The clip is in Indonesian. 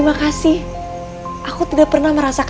maaf jeng ayu tidak bisa masuk